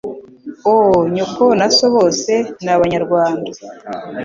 Oh nyoko na so bose nabanyarwanda